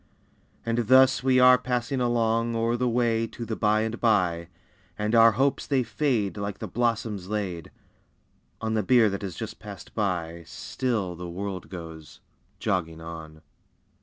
And thus we are passing along O'er the way to the "by and by," And our hopes they fade Like the blossoms laid On the bier that has just passed by, Still the world goes "jogging on."